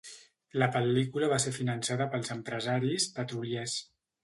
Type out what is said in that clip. La pel·lícula va ser finançada pels empresaris petroliers.